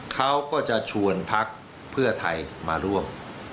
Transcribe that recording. เขาก็จะชวนพักเพื่อไทยมาร่วม